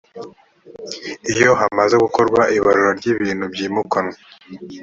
iyo hamaze gukorwa ibarura ry ibintu byimukanwa